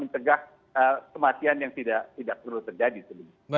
mencegah kematian yang tidak perlu terjadi sebelumnya